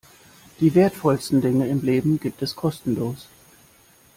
Die wertvollsten Dinge im Leben gibt es kostenlos.